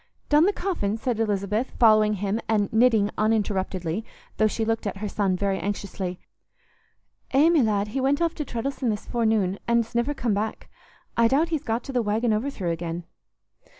"Done the coffin?" said Lisbeth, following him, and knitting uninterruptedly, though she looked at her son very anxiously. "Eh, my lad, he went aff to Treddles'on this forenoon, an's niver come back. I doubt he's got to th' 'Waggin Overthrow' again."